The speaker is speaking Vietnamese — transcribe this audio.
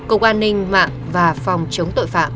cộng an ninh mạng và phòng chống tội phạm